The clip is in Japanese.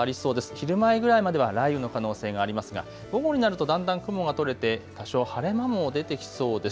昼前ぐらいまでは雷雨の可能性がありますが午後になるとだんだん雲が取れて多少晴れ間も出てきそうです。